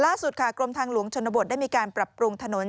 ล่าสุดค่ะกรมทางหลวงชนบทได้มีการปรับปรุงถนน